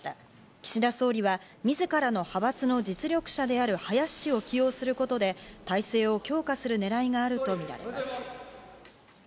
岸田総理は自らの派閥の実力者である林氏を起用することで、態勢を強化するねらいがあるとみられます。